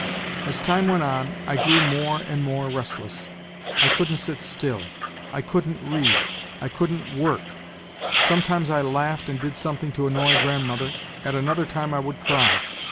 As time went on, I grew more and more restless, I couldn't sit still, I couldn't read, I couldn't work; sometimes I laughed and did something to annoy grandmother, at another time I would cry.